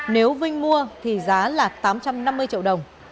nếu vinh mua thì giá là tám trăm năm mươi triệu đồng